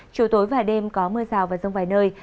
chiều tối và đêm có mưa rào và rông vài nơi